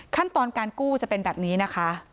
ขั้นตอนการกู้จะเป็นแบบนี้นะคะ